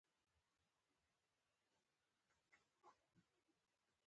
او له مختلفو زاویو یې د روات ښځې ته وکتل